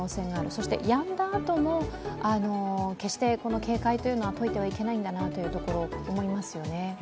そしてやんだあとも決してこの警戒というのは解いてはいけないんだなというところを思いますよね。